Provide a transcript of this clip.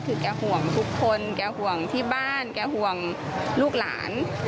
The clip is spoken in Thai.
คือแกห่วงทุกคนแกห่วงที่บ้านแกห่วงลูกหลาน